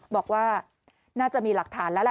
บอกว่าน่าจะมีหลักฐานแล้วแหละ